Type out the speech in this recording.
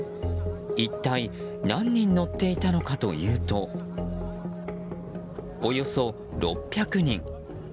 一体何人乗っていたのかというとおよそ６００人。